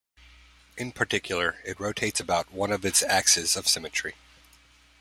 In particular, it rotates about one of its axes of symmetry.